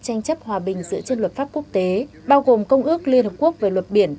tranh chấp hòa bình dựa trên luật pháp quốc tế bao gồm công ước liên hợp quốc về luật biển